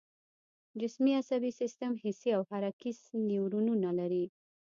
جسمي عصبي سیستم حسي او حرکي نیورونونه لري